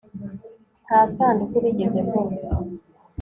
Nta sanduku nigeze mbona